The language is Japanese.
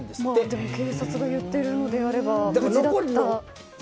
でも、警察が言っているのであれば無事だった。